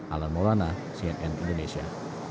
alan molana cnn indonesia